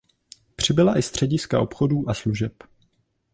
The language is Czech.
Přibyla i střediska obchodů a služeb.